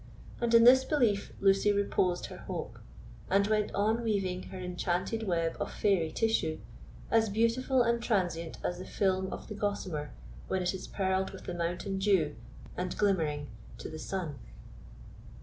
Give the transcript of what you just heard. And in this belief Lucy reposed her hope, and went on weaving her enchanted web of fairy tissue, as beautiful and transient as the film of the gossamer when it is pearled with the morning dew and glimmering to the sun.